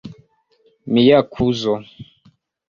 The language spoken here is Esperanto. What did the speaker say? Mia kuzo.